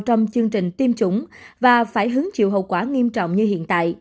trong chương trình tiêm chủng và phải hứng chịu hậu quả nghiêm trọng như hiện tại